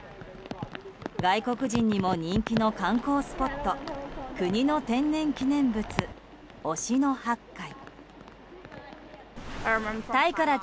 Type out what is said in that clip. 外国人にも人気の観光スポット国の天然記念物、忍野八海。